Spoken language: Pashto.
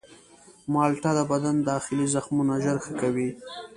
مالټه د بدن داخلي زخمونه ژر ښه کوي.